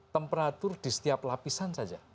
temperatur di setiap lapisan saja